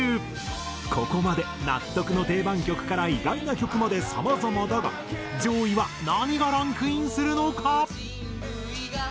ここまで納得の定番曲から意外な曲までさまざまだが上位は何がランクインするのか？